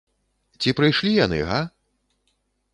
Ці прыйшлі яны, га?